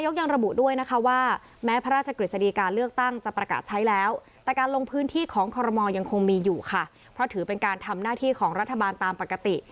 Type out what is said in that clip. พระมรยังคงมีอยู่ค่ะเพราะถือเป็นการทำหน้าที่ของรัฐบาลตามปกติ